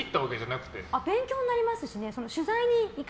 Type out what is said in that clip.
勉強になりますしね。